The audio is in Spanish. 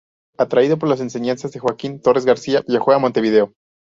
Atraído por las enseñanzas de Joaquín Torres García viajó a Montevideo.